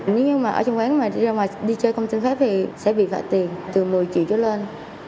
nếu như mà ở trong quán mà đi ra ngoài đi chơi công tư phép thì sẽ bị vạ tiền từ một mươi triệu cho lên